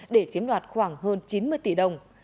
để chiếm đoạt khoảng hơn chín mươi tỷ đồng